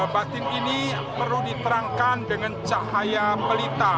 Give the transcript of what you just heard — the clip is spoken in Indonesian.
batin ini perlu diterangkan dengan cahaya pelita